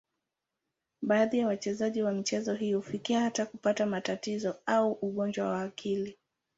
Baadhi ya wachezaji wa michezo hii hufikia hata kupata matatizo au ugonjwa wa akili.